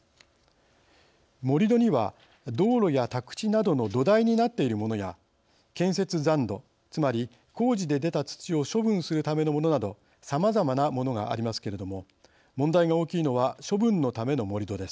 盛り土には道路や宅地などの土台になっているものや建設残土つまり工事で出た土を処分するためのものなどさまざまなものがありますけれども問題が大きいのは処分のための盛り土です。